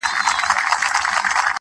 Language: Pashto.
هڅاند ذهن ستړیا نه مني؛